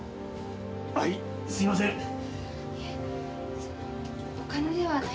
あいすいません。